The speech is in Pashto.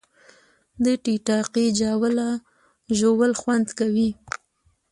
د ټیټاقې جاوله ژوول خوند کوي